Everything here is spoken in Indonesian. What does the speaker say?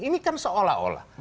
ini kan seolah olah